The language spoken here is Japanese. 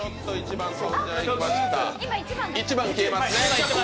１番、消えますね。